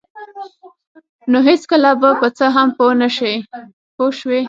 نو هېڅکله به په څه هم پوه نشئ پوه شوې!.